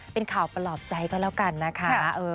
เป็นข่าวประหลอบใจก็แล้วกันนะคะ